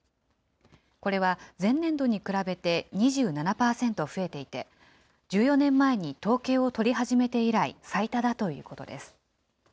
これは前年度に比べて２７％増えていて、１４年前に統計を取り始めて以来、最多だということです。